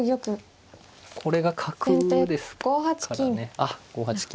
あっ５八金。